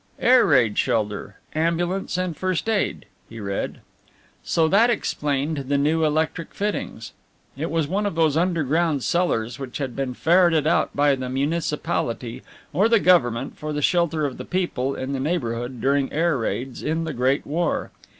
"Air raid shelter. Ambulance and first aid!" he read. So that explained the new electric fittings. It was one of those underground cellars which had been ferreted out by the Municipality or the Government for the shelter of the people in the neighbourhood during air raids in the Great War.